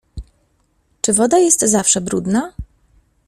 "Czy woda jest zawsze brudna?"